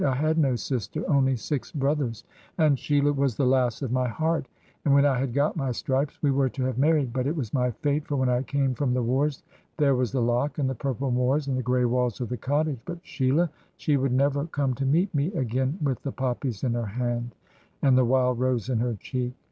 I had no sister, only six brothers, and Sheila was the lass of my heart; and when I had got my stripes we were to have married. But it was my fate, for when I came from the wars, there was the loch, and the purple moors, and the grey walls of the cottage; but Sheila, she would never come to meet me again with the poppies in her hand, and the wild rose in her cheek.